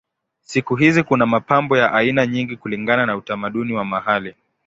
Siku hizi kuna mapambo ya aina nyingi kulingana na utamaduni wa mahali.